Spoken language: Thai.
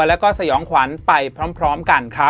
แล้วก็สยองขวัญไปพร้อมกันครับ